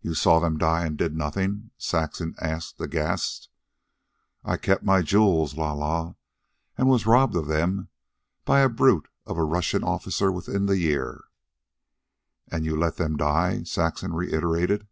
"You saw them die?... and did nothing?" Saxon asked aghast. "I kept my jewels la la, and was robbed of them by a brute of a Russian officer within the year." "And you let them die," Saxon reiterated.